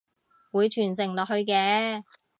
會傳承落去嘅！